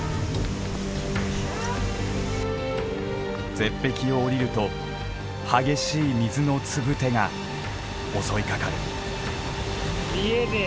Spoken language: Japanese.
絶壁をおりると激しい水のつぶてが襲いかかる。